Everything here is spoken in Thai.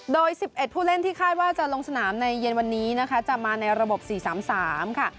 โดย๑๑ผู้เล่นที่คาดว่าจะลงสนามในเย็นวันนี้นะคะจะมาในระบบ๔๓๓ค่ะ